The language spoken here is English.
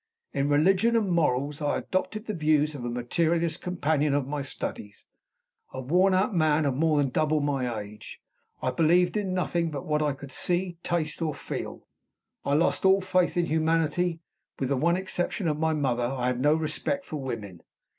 In religion and morals I adopted the views of a materialist companion of my studies a worn out man of more than double my age. I believed in nothing but what I could see, or taste, or feel. I lost all faith in humanity. With the one exception of my mother, I had no respect for women.